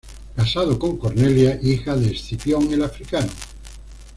Casado con Cornelia, hija de Escipión el Africano.